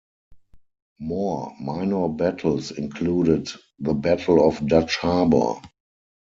More minor battles included the Battle of Dutch Harbor.